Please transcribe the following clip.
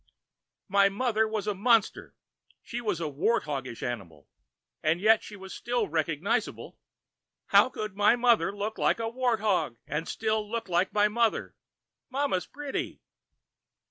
"My mother was a monster. She was a wart hoggish animal. And yet she was still recognizable. How could my mother look like a wart hog and still look like my mother? Mama's pretty!"